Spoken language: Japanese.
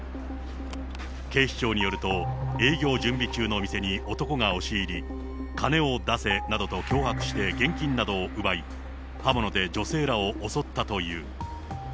警視庁によると、営業準備中の店に男が押し入り、金を出せなどと脅迫して、現金などを奪い、刃物で女性らを襲ったという。